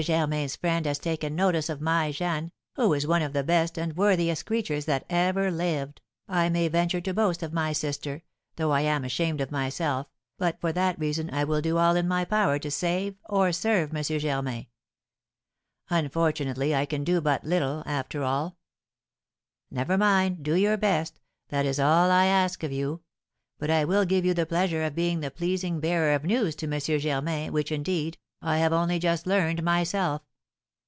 Germain's friend has taken notice of my Jeanne, who is one of the best and worthiest creatures that ever lived, I may venture to boast of my sister, though I am ashamed of myself, but for that reason I will do all in my power to save or serve M. Germain; unfortunately, I can do but little, after all!' 'Never mind! Do your best; that is all I ask of you. But I will give you the pleasure of being the pleasing bearer of news to M. Germain, which, indeed, I have only just learned myself.'"